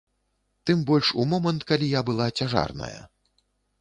Тым больш у момант, калі я была цяжарная.